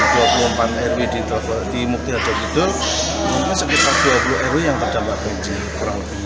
di dua puluh empat rw di mugdia jogetel mungkin sekitar dua puluh rw yang terdapat banjir